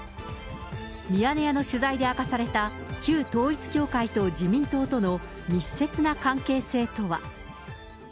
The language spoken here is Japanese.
ミヤネ屋の取材で明かされた、旧統一教会と自民党との密接な関係性とは。